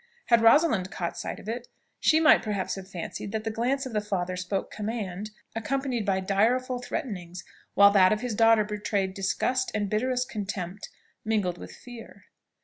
Had Rosalind caught a sight of it, she might perhaps have fancied that the glance of the father spoke command, accompanied by direful threatenings, while that of his daughter betrayed disgust and bitterest contempt mingled with fear.